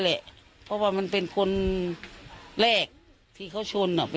แรกที่เขาชนเป็นคนแรกเลย